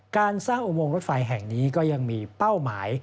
การสร้างอุโมงรถไฟแห่งนี้ก็ยังมีเป้าหมาย